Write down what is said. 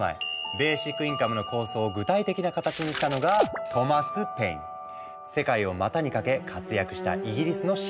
ベーシックインカムの構想を具体的な形にしたのが世界を股にかけ活躍したイギリスの思想家だ。